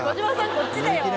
こっちだよ。